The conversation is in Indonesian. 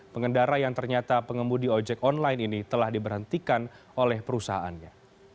pengendara yang ternyata pengemudi ojek online ini telah diberhentikan oleh perusahaannya